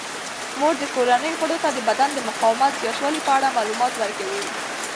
مور د کورنۍ غړو ته د بدن د مقاومت زیاتولو په اړه معلومات ورکوي.